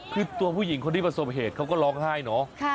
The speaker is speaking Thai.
คือตัวผู้หญิงคนที่ประสบเหตุเขาก็ร้องไห้เนาะ